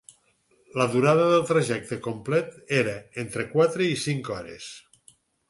La durada del trajecte complet era d'entre quatre i cinc hores.